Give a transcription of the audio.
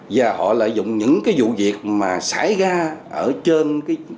và họ lợi dụng những cái vụ việc mà xảy ra ở trên